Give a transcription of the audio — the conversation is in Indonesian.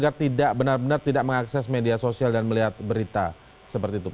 agar tidak benar benar tidak mengakses media sosial dan melihat berita seperti itu pak